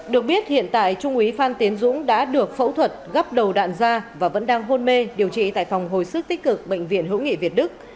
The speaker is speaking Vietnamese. được biết hiện tại trung úy phan tiến dũng đã được phẫu thuật gắp đầu đạn da và vẫn đang hôn mê điều trị tại phòng hồi sức tích cực bệnh viện hữu nghị việt đức